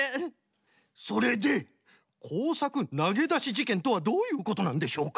それで「こうさくなげだしじけん」とはどういうことなんでしょうか？